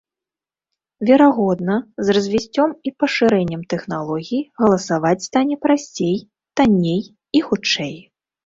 Верагодна, з развіццём і пашырэннем тэхналогій галасаваць стане прасцей, танней і хутчэй.